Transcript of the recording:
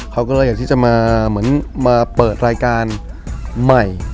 เขาก็เลยอยากที่จะมาเหมือนมาเปิดรายการใหม่